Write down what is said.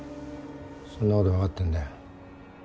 そんなこと分かってんだよ